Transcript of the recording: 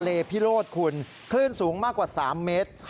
พิโรธคุณคลื่นสูงมากกว่า๓เมตร